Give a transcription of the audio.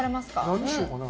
何にしようかな？